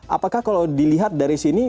apakah kalau dilihat dari sini